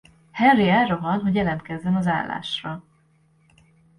Henry elrohan hogy jelentkezzen az állásra.